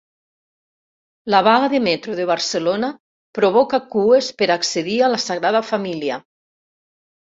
La vaga de Metro de Barcelona provoca cues per accedir a la Sagrada Família